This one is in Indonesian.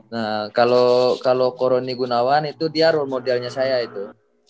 nah kalau kalau koroni gunawan itu dia role modelnya saya itu